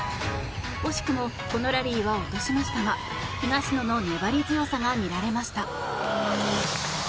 惜しくもこのラリーは落としましたが東野の粘り強さが見られました。